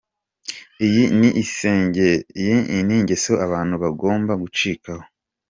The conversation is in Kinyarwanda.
Iyi ni ingeso abantu bagomba gucikaho.